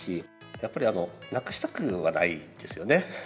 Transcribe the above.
やっぱりなくしたくはないですよね。